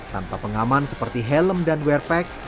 tanpa pengaman seperti helm dan wear pack